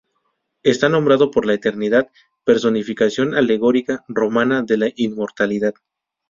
Está nombrado por la Eternidad, personificación alegórica romana de la inmortalidad.